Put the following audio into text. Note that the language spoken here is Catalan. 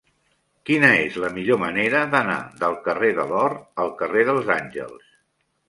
Quina és la millor manera d'anar del carrer de l'Or al carrer dels Àngels?